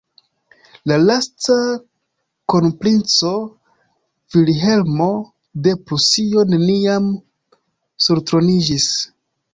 La lasta kronprinco, Vilhelmo de Prusio, neniam surtroniĝis.